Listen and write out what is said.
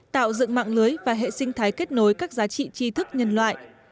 tạo dựng mạng lưới và hệ sinh thái kết nối các giá trị tri thức nhân loại